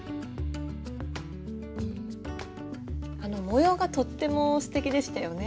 模様がとってもすてきでしたよね。